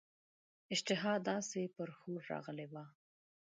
اشتها داسي پر ښور راغلې وه.